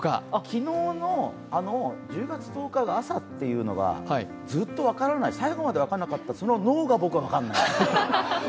昨日の１０月１０日の朝っていうのが、ずっと分からない、最後まで分からなかったのが僕も分からないんですよ。